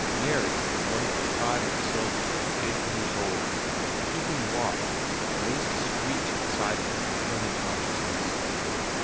Mary, one of the tribe of Silva, eight years old, keeping watch, raised a screech at sight of his returning consciousness.